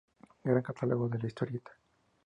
Gran Catálogo de la Historieta.